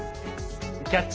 「キャッチ！